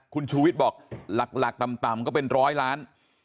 คุณชุวิตบอกหลักต่ำก็เป็น๑๐๐ล้าน